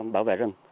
bảo vệ rừng